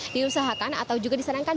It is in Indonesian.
diusahakan atau juga disarankan